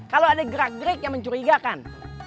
kalau ada gerak gerik yang mencurigakan